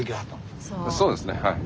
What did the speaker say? そうですねはい。